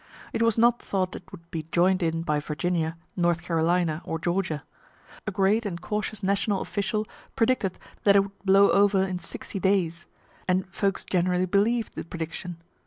It was not thought it would be join'd in by Virginia, North Carolina, or Georgia. A great and cautious national official predicted that it would blow over "in sixty days," and folks generally believ'd the prediction.